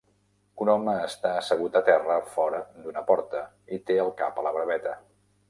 Un home està assegut a terra fora d'una porta i té el cap a la barbeta.